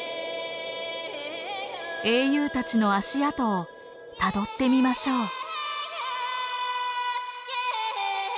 英雄たちの足跡をたどってみましょう。